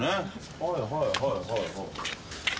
はいはいはいはい。